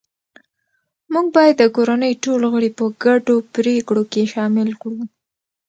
موږ باید د کورنۍ ټول غړي په ګډو پریکړو کې شامل کړو